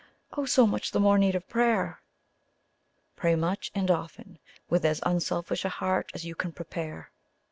Oh, so much the more need of prayer! "Pray much and often, with as unselfish a heart as you can prepare."